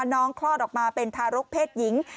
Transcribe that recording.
คลอดออกมาเป็นทารกเพศหญิง